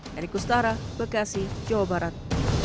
heri kustara bekasi jawa barat